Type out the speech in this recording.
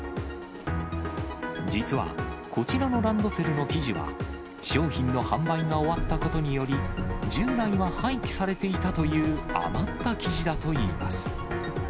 実は、こちらのランドセルの生地は、商品の販売が終わったことにより、従来は廃棄されていたという余った生地だといいます。